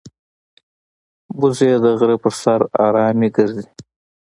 وزې د غره پر سر آرامه ګرځي